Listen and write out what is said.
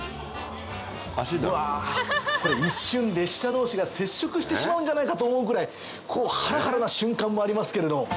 うわこれ一瞬列車同士が接触してしまうんじゃないかと思うぐらいハラハラな瞬間もありますけれども。